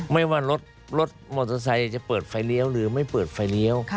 ไม่ว่ารถมอเตอร์ไซค์จะเปิดไฟเลี้ยวหรือไม่เปิดไฟเลี้ยว